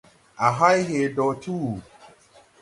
A hay hee dɔɔ ti wùu.